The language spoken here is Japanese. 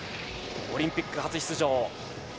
オリンピック初出場。